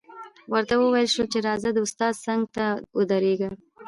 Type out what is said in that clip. ورته وویل شول چې راځه د استاد څنګ ته ودرېږه